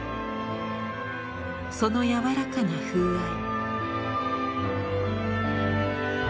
その柔らかな風合い。